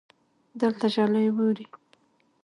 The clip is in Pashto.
دلته ژلۍ ووري